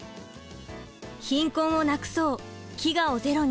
「貧困をなくそう」「飢餓をゼロに」